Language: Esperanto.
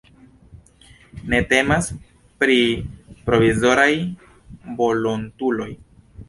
Ne temas pri "provizoraj" volontuloj.